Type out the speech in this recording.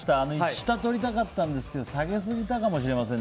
下を取りたかったんですが下げすぎたかもしれません。